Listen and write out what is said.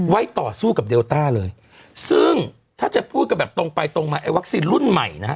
ต่อสู้กับเดลต้าเลยซึ่งถ้าจะพูดกันแบบตรงไปตรงมาไอ้วัคซีนรุ่นใหม่นะฮะ